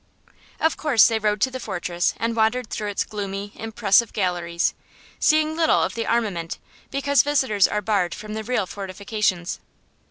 Of course they rode to the fortress and wandered through its gloomy, impressive galleries, seeing little of the armament because visitors are barred from the real fortifications.